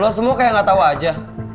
lo semua kayak nggak tahu aja